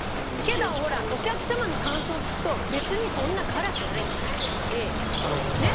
けどほらお客様の感想を聞くと別にそんな辛くないって言ってるし。